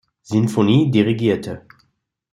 Sinfonie dirigierte.